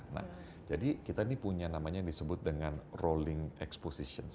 nah jadi kita ini punya namanya yang disebut dengan rolling exposition